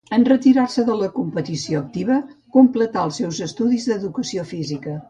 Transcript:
En retirar-se de la competició activa completà els seus estudis d'Educació física.